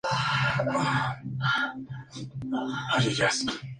Sin puertos de montaña, comenzó en Lehi y finalizó en Salt Lake City.